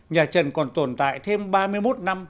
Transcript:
nhà trần còn tồn tại thêm ba mươi một năm